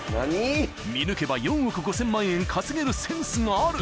［見抜けば４億５，０００万円稼げるセンスがある］